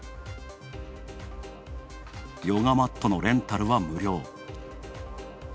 ヨガマットのレンタルは無料。